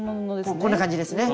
もうこんな感じですね。